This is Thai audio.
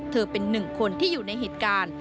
เป็นหนึ่งคนที่อยู่ในเหตุการณ์